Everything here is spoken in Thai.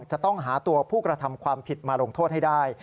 จะต้องหาตัวผู้กระทำความผิดมาลงโทษให้ได้